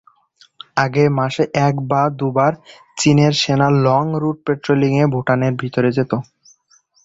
আগে মাসে এক বা দু’বার চিনের সেনা ‘লং রুট পেট্রলিং’-এ ভুটানের ভিতরে যেত।